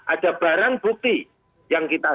ada barang bukti yang kita